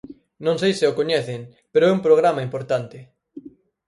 Non sei se o coñecen, pero é un programa importante.